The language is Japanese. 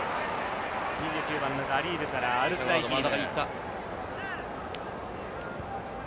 ２９番のガリーブからアルスライヒーム。